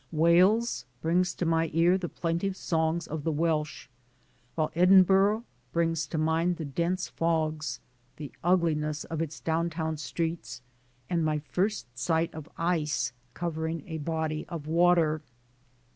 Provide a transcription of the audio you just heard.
Wales brings to my ear the plaintive songs of the Welsh, while Edinburgh brings to mind the dense fogs, the ugliness of its down town streets and my first sight of ice covering a body of water.